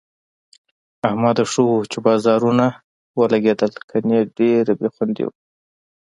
احمده! ښه وو چې بازارونه ولږېدل، گني ډېره بې خوندي وه.